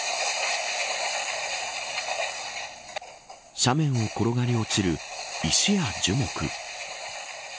斜面を転がり落ちる石や樹木。